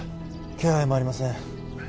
気配もありません